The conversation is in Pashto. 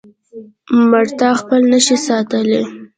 مړتا خپل نشي ساتلی.